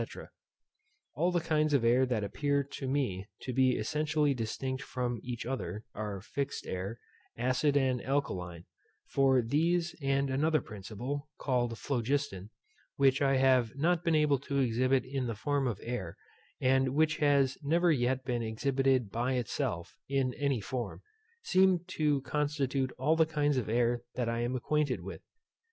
_ All the kinds of air that appear to me to be essentially distinct from each other are fixed air, acid and alkaline; for these, and another principle, called phlogiston, which I have not been able to exhibit in the form of air, and which has never yet been exhibited by itself in any form, seem to constitute all the kinds of air that I am acquainted with.